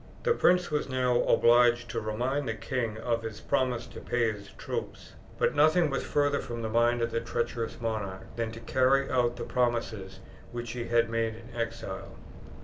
The prince was now obliged to remind the king of his promise to pay his troops; but nothing was farther from the mind of the treacherous monarch than to carry out the promises which he had made in exile.